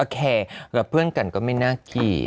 แค่เพื่อนกันก็ไม่น่าเกลี่